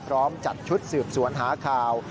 พร้อมจัดชุดสืบสวนหาข่าว